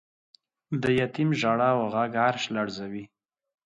د یتیم ژړا او غږ عرش لړزوی.